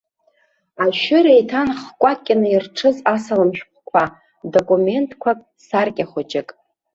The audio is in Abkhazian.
Ашәыра иҭан х-кәакьны ирҽыз асалам шәҟәқәа, документқәак, саркьа хәыҷык.